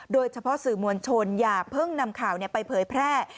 โดยเฉพาะสื่อมวลชนอย่าเพิ่งนำข่าวไปเผยแพร่